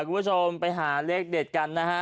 คุณผู้ชมไปหาเลขเด็ดกันนะฮะ